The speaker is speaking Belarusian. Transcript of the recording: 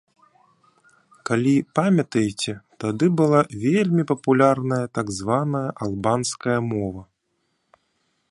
Калі памятаеце, тады была вельмі папулярная так званая албанская мова.